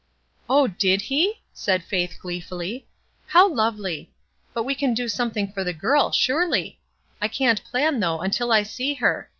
"Oh, did he?" said Faith, gleefully. ''How lovely! But we can do something for the girl, surely. I can't plan though, until I see her.